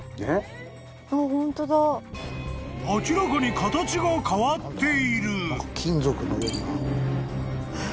［明らかに形が変わっている］